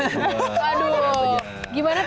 aduh gimana tante